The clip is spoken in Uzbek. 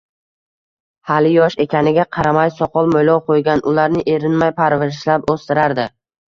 Hali yosh ekaniga qaramay soqol-mo`ylov qo`ygan, ularni erinmay parvarishlab o`stirardi